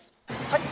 はい。